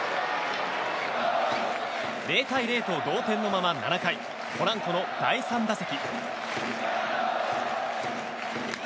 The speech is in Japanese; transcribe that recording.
０対０と同点のまま７回ポランコの第３打席。